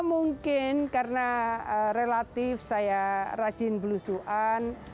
mungkin karena relatif saya rajin belusuan